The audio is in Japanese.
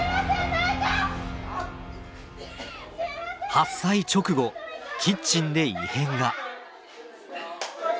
発災直後キッチンで異変が。